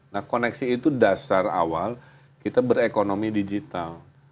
nah koneksi itu dasar awal kita berekonomi digital